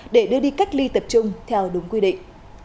để đưa đi cách ly tập trung theo đúng quy định